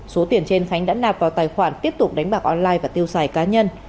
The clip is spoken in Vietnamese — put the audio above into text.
số tiền trên khánh đã nạp vào tài khoản tiếp tục đánh bạc online và tiêu xài cá nhân